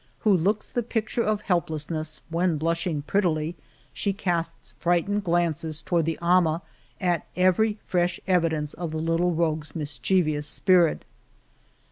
who looks the picture of helplessness, when, blushing pret tily, she casts frightened glances toward the ama at every fresh evidence of the little rogue's mischievous spirit.